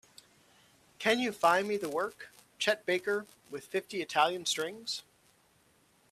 Can you find me the work, Chet Baker with Fifty Italian Strings?